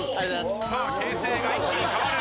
さあ形勢が一気に変わる。